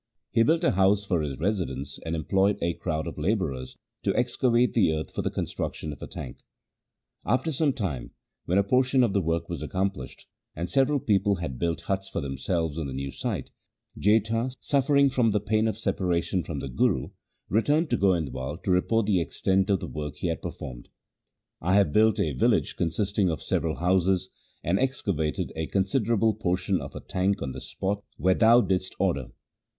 He built a house for his residence and employed a crowd of labourers to excavate the earth for the construction of a tank. After some time, when a portion of the work was accomplished and several people had built huts for themselves on the new site, Jetha, suffering from the pain of separation from the Guru, returned to Goindwal to. report the extent of the work he had performed. ' I have built a village consisting of several houses, and excavated a considerable portion of a tank on the spot where thou didst order.'